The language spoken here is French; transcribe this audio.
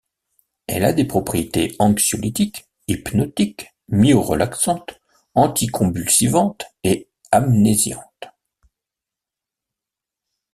Elle a des propriétés anxiolytiques, hypnotiques, myorelaxantes, anticonvulsivantes et amnésiantes.